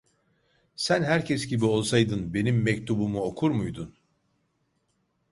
Sen herkes gibi olsaydın benim mektubumu okur muydun?